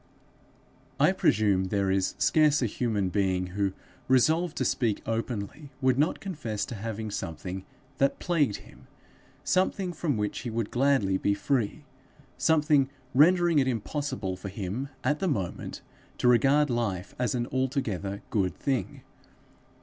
I presume there is scarce a human being who, resolved to speak openly, would not confess to having something that plagued him, something from which he would gladly be free, something rendering it impossible for him, at the moment, to regard life as an altogether good thing.